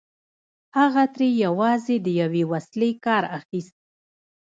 هغه ترې یوازې د یوې وسيلې کار اخيست